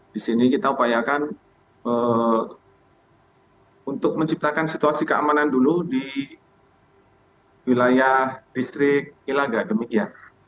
di sini kita upayakan untuk menciptakan situasi keamanan dulu di wilayah distrik ilaga demikian